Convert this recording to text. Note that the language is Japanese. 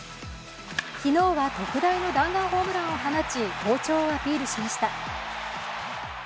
昨日は特大の弾丸ホームランを放ち、好調をアピールしました。